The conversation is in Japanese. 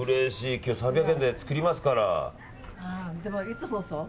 今日３００円で作りますから。